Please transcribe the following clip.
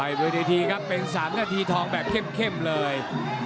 เวทีทีครับเป็น๓นาทีทองแบบเข้มเลย